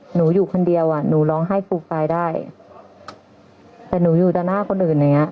หนูอยู่คนเดียวอ่ะหนูร้องไห้ปูปายได้แต่หนูอยู่ด้านหน้าคนอื่นอย่างเงี้